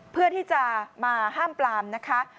เพื่อที่จะมาห้ามปลามนะคะ